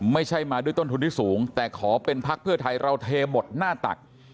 ไม่ใช่มาด้วยต้นทุนที่สูงแต่ขอเป็นพักเพื่อไทยเราเทหมดหน้าตัก